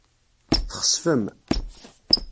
Txesfem.